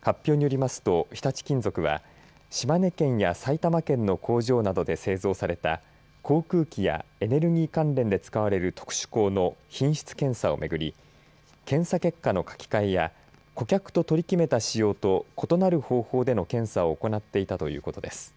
発表によりますと、日立金属は島根県や埼玉県の工場などで製造された航空機やエネルギー関連で使われる特殊鋼の品質検査をめぐり検査結果の書き換えや顧客と取り決めた仕様と異なる方法での検査を行っていたということです。